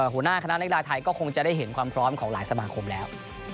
หัวหน้าคณะนักกีฬาไทยก็คงจะได้เห็นความพร้อมของหลายสมาคมแล้ว